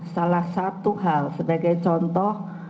salah satu hal sebagai contoh